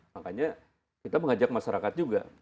makanya kita mengajak masyarakat juga